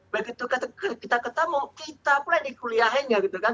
begitu kita ketemu kita pula yang dikuliahin ya gitu kan